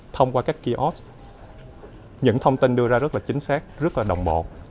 thông qua các kiosk những thông tin đưa ra rất chính xác rất đồng bộ